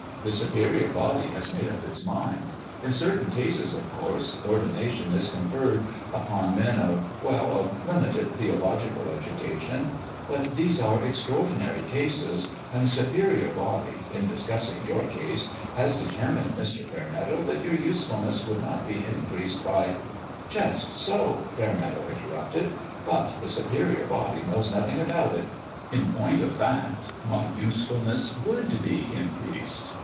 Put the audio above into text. The Superior Body has made up its mind. In certain cases, of course, ordination is conferred upon men of we ll of limited theological education ; but these are extraordinary cases, and the Superior Body, in discussing your case, has determined, Mr. Fairmeadow, that your usefulness would not be increased by " "Just so!" Fairmeadow interrupted; "but the Superior Body knows nothing about it. In point of fact, my usefulness would be increased.